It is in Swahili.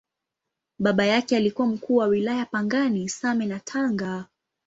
Baba yake alikuwa Mkuu wa Wilaya Pangani, Same na Tanga.